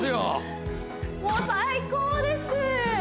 もう最高です！